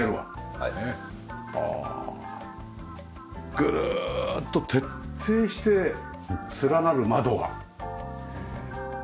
グーッと徹底して連なる窓が。